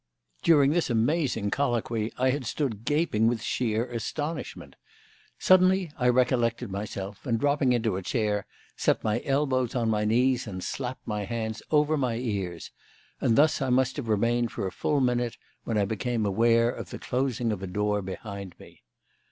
During this amazing colloquy I had stood gaping with sheer astonishment. Suddenly I recollected myself, and, dropping into a chair, set my elbows on my knees and slapped my hands over my ears; and thus I must have remained for a full minute when I became aware of the closing of a door behind me.